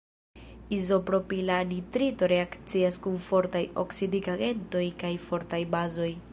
Izopropila nitrito reakcias kun fortaj oksidigagentoj kaj fortaj bazoj.